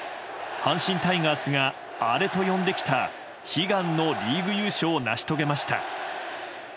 阪神タイガースがアレと呼んできた悲願のリーグ優勝を成し遂げました。